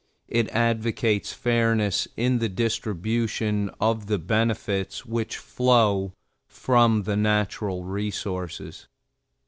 It advocates fairness in the distribution of the benefits which flow from the natural resources.